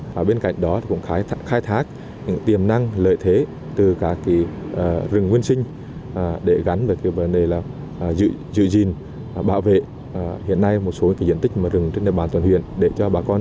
với thế mạnh vốn có